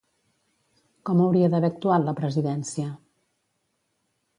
Com hauria d'haver actuat la presidència?